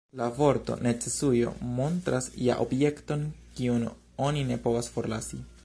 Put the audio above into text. La vorto _necesujo_ montras ja objekton, kiun oni ne povas forlasi.